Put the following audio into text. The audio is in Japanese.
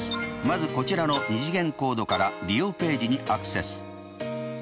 まずこちらの２次元コードから利用ページにアクセス。